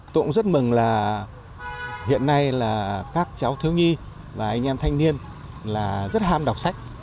tôi cũng rất mừng là hiện nay là các cháu thiếu nhi và anh em thanh niên là rất ham đọc sách